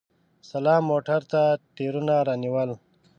سلام موټر ته ټیرونه رانیول!